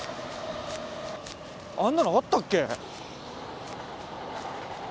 あんなのあったっけ？